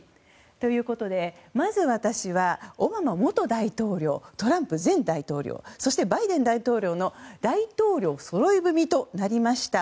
ということで、まず私はオバマ元大統領トランプ前大統領そしてバイデン大統領の大統領そろい踏みとなりました